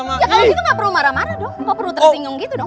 ya kalau gitu gak perlu marah marah dong nggak perlu tersinggung gitu dong